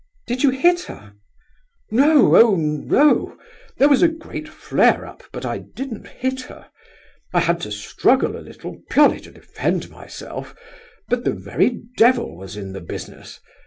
"Did you hit her?" "No, oh no!—there was a great flare up, but I didn't hit her! I had to struggle a little, purely to defend myself; but the very devil was in the business.